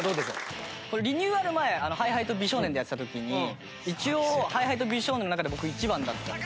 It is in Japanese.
これリニューアル前ＨｉＨｉと美少年でやってた時に一応ＨｉＨｉと美少年の中で僕１番だったんです。